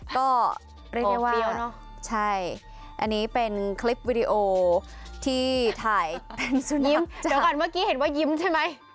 ก็เรียกได้ว่าเฟี้ยวเนอะใช่อันนี้เป็นคลิปวิดีโอที่ถ่ายเป็นสุดยิ้มเดี๋ยวก่อนเมื่อกี้เห็นว่ายิ้มใช่ไหม